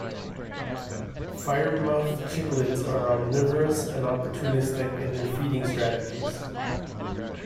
Firemouth cichlids are omnivorous and opportunistic in their feeding strategies.